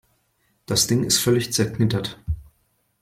Das Ding ist völlig zerknittert.